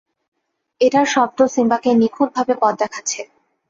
এটার শব্দ সিম্বাকে নিখুঁতভাবে পথ দেখাচ্ছে!